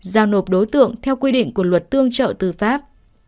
giao nộp đối tượng theo quy định của luật tương trợ tư pháp